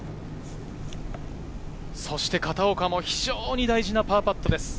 そして片岡も非常に大事なパーパットです。